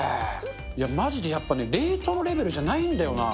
いや、まじでやっぱね、冷凍のレベルじゃないんだよな。